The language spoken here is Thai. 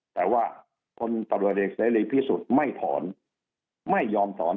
แต่ว่าคนตำรวจเอกเสรีพิสุทธิ์ไม่ถอนไม่ยอมถอน